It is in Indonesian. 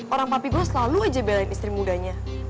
orang papi gue selalu aja belain istri mudanya